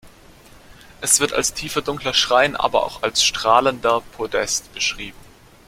Es wird als tiefer dunkler Schrein, aber auch als strahlender Podest beschrieben.